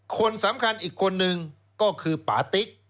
คนสำคัญอีกคนนึงก็คือปาติ๊ก